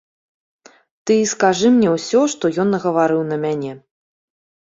Ты скажы мне ўсё, што ён нагаварыў на мяне.